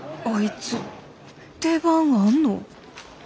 あいつ出番あんの？